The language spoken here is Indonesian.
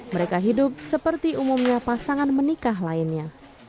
mereka hidup seperti umumnya pasangan menikah lainnya